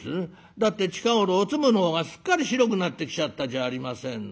「だって近頃おつむの方がすっかり白くなってきちゃったじゃありませんの。